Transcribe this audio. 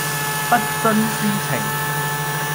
不徇私情